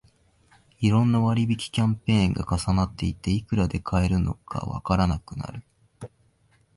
いろんな割引キャンペーンが重なっていて、いくらで買えるのかわからなくなる